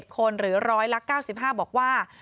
๑๙๖๕๑คนหรือ๑๐๐ละ๙๕บอกว่า